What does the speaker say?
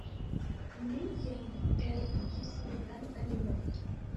Mi jam pereigis mian animon!